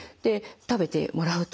食べてもらうと。